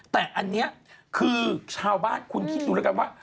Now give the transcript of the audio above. แต่อันนี้คือชาวบ้านคุณคิดดูแล้วกันว่า